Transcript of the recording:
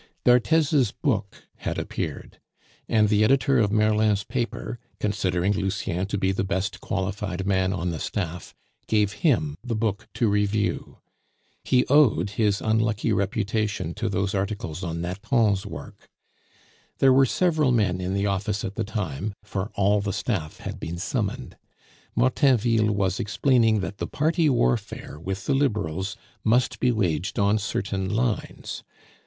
D'Arthez's book had appeared; and the editor of Merlin's paper, considering Lucien to be the best qualified man on the staff, gave him the book to review. He owed his unlucky reputation to those articles on Nathan's work. There were several men in the office at the time, for all the staff had been summoned; Martainville was explaining that the party warfare with the Liberals must be waged on certain lines.